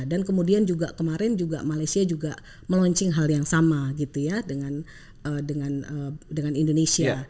dan kemudian juga kemarin juga malaysia juga melunching hal yang sama gitu ya dengan indonesia